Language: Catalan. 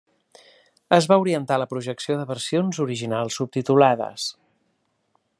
Es va orientar a la projecció de versions originals subtitulades.